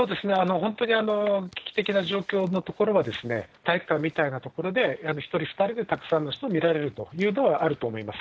本当に危機的な状況の所は、体育館みたいな所で、１人２人でたくさんの人を診られるというのはあると思います。